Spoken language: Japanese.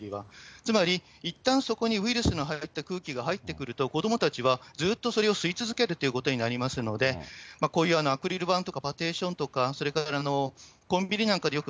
つまり、いったんそこにウイルスの入った空気が入ってくると、子どもたちはずっとそれを吸い続けるということになりますので、こういうアクリル板とかパーテーションとか、それからコンビニなんかでよく、